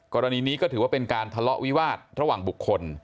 กรณีนี้ก็ถือว่าเป็นการทะเลาะวิวาสระหว่างบุคคล